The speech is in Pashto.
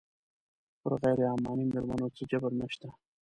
پر غیر عماني مېرمنو څه جبر نه شته.